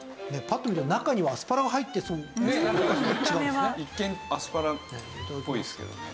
パッと見たら中にはアスパラが入ってそうですけど違うんですね？